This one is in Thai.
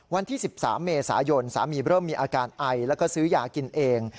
วันที่๑๓เมษายนสามีเริ่มมีอาการไอแล้วก็ซื้อยากินเอง